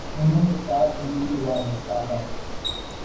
دونوں کے ساتھ امید وابستہ ہے